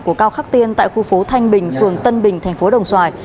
của cao khắc tiên tại khu phố thanh bình phường tân bình thành phố đồng xoài